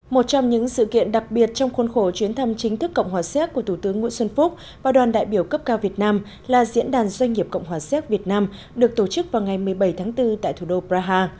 một trong những sự kiện đặc biệt trong khuôn khổ chuyến thăm chính thức cộng hòa xéc của thủ tướng nguyễn xuân phúc và đoàn đại biểu cấp cao việt nam là diễn đàn doanh nghiệp cộng hòa xéc việt nam được tổ chức vào ngày một mươi bảy tháng bốn tại thủ đô praha